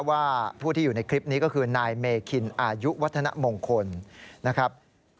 ว่าผู้ที่อยู่ในคลิปนี้ก็คือนายเมคินอายุวัฒนมงคลนะครับ